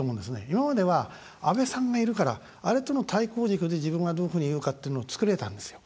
今までは、安倍さんがいるからあれとの対抗軸で自分はどういうふうに言うかっていうのを作れたんですよ。